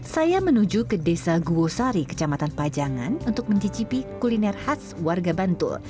saya menuju ke desa guosari kecamatan pajangan untuk mencicipi kuliner khas warga bantul